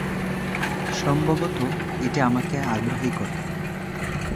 সম্ভবত এটি আমাকে আগ্রহী করে।